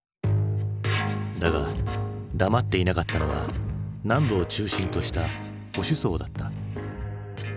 だが黙っていなかったのは南部を中心とした保守層だった。